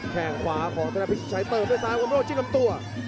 แข่งขวาของธนพิชิตชัยเติมด้วยซ้ายวันโดจิ้มลำตัว